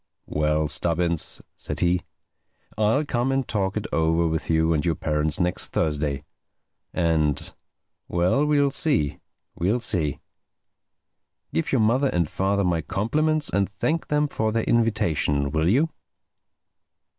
"Well, Stubbins," said he, "I'll come and talk it over with you and your parents next Thursday. And—well, we'll see. We'll see. Give your mother and father my compliments and thank them for their invitation, will you?"